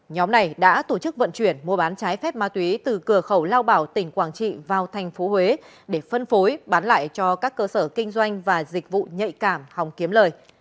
nhóm này đã tổ chức vận chuyển mua bán trái phép ma túy từ cửa khẩu lao bảo tỉnh quảng trị vào thành phố huế để phân phối bán lại cho các cơ sở kinh doanh và dịch vụ nhạy cảm hòng kiếm lời